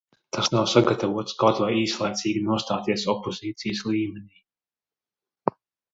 Tas nav sagatavots kaut vai īslaicīgi nostāties opozīcijas līmenī.